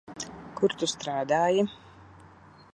Kur tu strādāji?